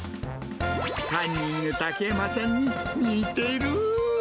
カンニング竹山さんに似てるー。